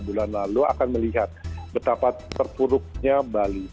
bulan lalu akan melihat betapa terpuruknya bali